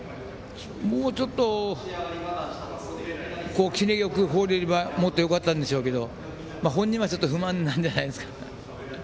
もうちょっとキレよく放れればもっとよかったんでしょうけど本人はちょっと不満なんじゃないですか。